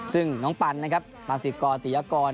ซึ่งน้องปันนะครับมาสิกรติยากร